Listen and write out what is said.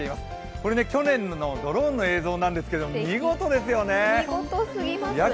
これ去年のドローンの映像なんですが、見事ですよね。